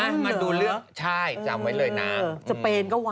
มันดูเรื่อง